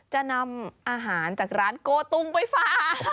จะนำอาหารจากร้านโกตุงไปฟ้า